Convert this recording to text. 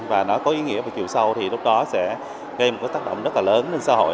và nó có ý nghĩa vào chiều sau thì lúc đó sẽ gây một tác động rất lớn lên xã hội